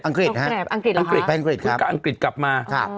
อังกฤษนะฮะอังกฤษอังกฤษอังกฤษครับอังกฤษกลับมาครับ